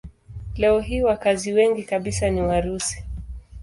Leo hii wakazi wengi kabisa ni Warusi.